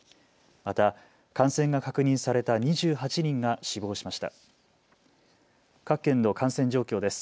また感染が確認された２８人が死亡しました。